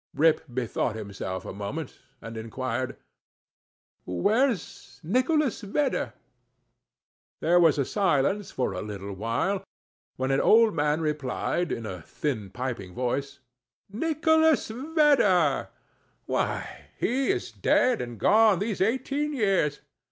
Rip bethought himself a moment, and inquired, "Where's Nicholas Vedder?" There was a silence for a little while, when an old man[Pg 16] replied, in a thin piping voice, "Nicholas Vedder! why, he is dead and gone these eighteen years!